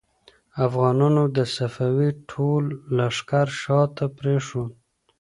افغانانو د صفوي ټول لښکر شا ته پرېښود.